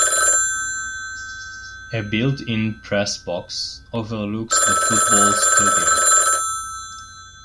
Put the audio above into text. A built-in press box overlooks the football stadium.